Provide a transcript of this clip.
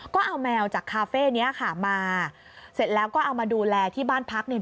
ก็เอาแมวจากคาเฟ่นี้ค่ะมาเสร็จแล้วก็เอามาดูแลที่บ้านพัก